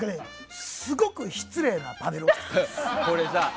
すごく失礼なパネル。